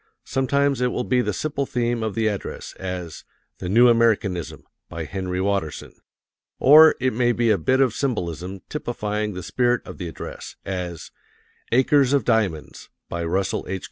Sometimes it will be the simple theme of the address, as "The New Americanism," by Henry Watterson; or it may be a bit of symbolism typifying the spirit of the address, as "Acres of Diamonds," by Russell H.